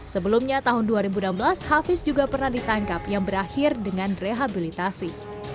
sebelumnya tahun dua ribu enam belas hafiz juga pernah ditangkap yang berakhir dengan rehabilitasi